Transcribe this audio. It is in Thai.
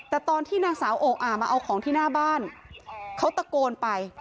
แต่ตอนที่นางสาวโออามาเอาของที่หน้าบ้านเขาตะโกนไป